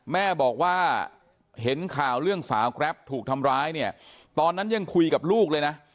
แม่บอกว่าเห็นข่าวเรื่องสาวแกรปถูกทำร้ายเนี่ยตอนนั้นยังคุยกับลูกเลยนะ